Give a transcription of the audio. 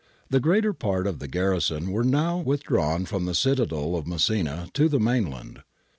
The greater part of the garrison were now withdrawn from the citadel of Messina to the mainland.'